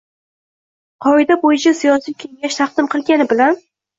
qoida bo‘yicha siyosiy kengash taqdim qilgani bilan